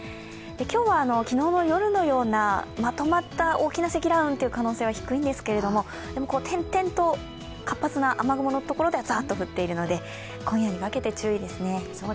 今日は昨日の夜のようなまとまった大きな積乱雲という可能性は低いんですけれども、点々と活発な雨雲のところではザーッと降っているので、今夜にかけて注意ですね。